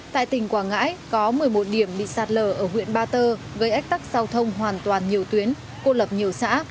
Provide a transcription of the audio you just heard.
tại tỉnh quảng ngãi có một mươi một điểm bị sạt lở ở huyện ba tơ gây ách tắc giao thông hoàn toàn nhiều tuyến cô lập nhiều xã